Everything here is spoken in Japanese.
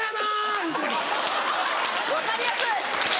分かりやすい！